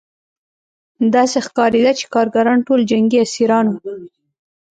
داسې ښکارېده چې کارګران ټول جنګي اسیران وو